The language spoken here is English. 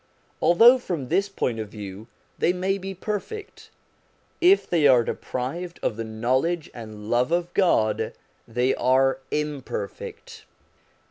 Although from this point of view they may be perfect, if they are deprived of the knowledge and love of God, they are imperfect.